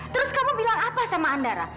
terus kamu bilang apa sama andara